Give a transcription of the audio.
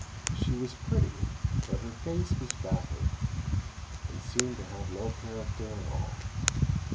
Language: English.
She was pretty, but her face was vapid, and seemed to have no character at all.